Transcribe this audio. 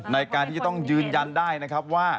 ในการที่จะต้องยืนยันได้นะครับว่า